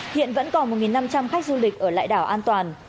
hiện vẫn còn một năm trăm linh khách du lịch ở lại đảo an toàn